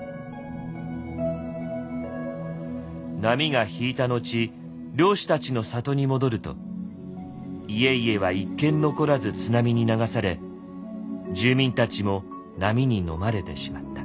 「波が引いた後漁師たちの里に戻ると家々は一軒残らず津波に流され住民たちも波にのまれてしまった」。